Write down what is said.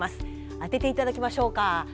当てていただきましょうか。